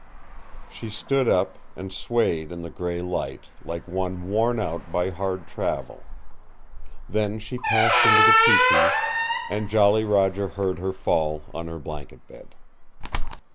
She stood up, and swayed in the gray light, like one worn out by hard travel. Then she passed into the tepee, and Jolly Roger heard her fall on her blanket bed.